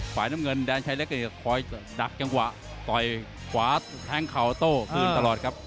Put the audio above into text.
ฝ่ายน้ำเงินแดนชายเล็กคอยดักจังหวะต่อยขวาแทงเข่าโต้คืนตลอดครับ